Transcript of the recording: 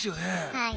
はい。